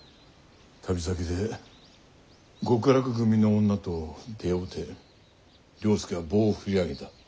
旅先で極楽組の女と出会うて了助は棒を振り上げた。